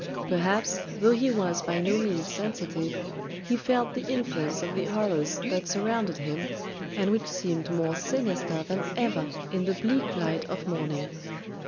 Perhaps, though he was by no means sensitive, he felt the influence of the horrors that surrounded him, and which seemed more sinister than ever in the bleak light of morning.